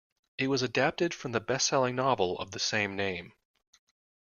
It was adapted from the bestselling novel of the same name.